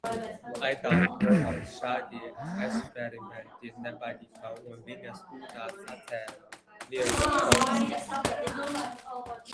Aitām protams šādi eksperimenti nepatika un viņas būdā sacēla lielu troksni.